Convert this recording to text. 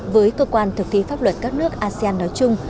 với cơ quan thực thi pháp luật các nước asean nói chung